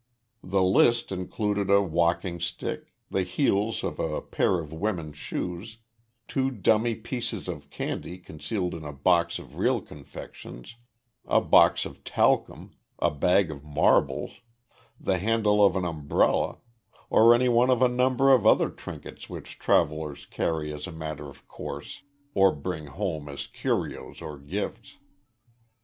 The list included a walking stick, the heels of a pair of women's shoes, two dummy pieces of candy concealed in a box of real confections, a box of talcum, a bag of marbles, the handle of an umbrella, or any one of a number of other trinkets which travelers carry as a matter of course or bring home as curios or gifts.